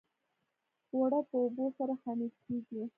اوړه په اوبو سره خمیر کېږي